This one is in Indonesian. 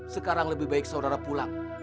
sekarang lebih baik saudara pulang